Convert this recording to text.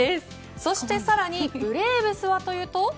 さらにブレーブスはというと。